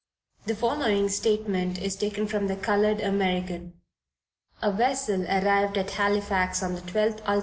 The following statement is taken from the "Colored American:" A vessel arrived at Halifax on the 12th ult.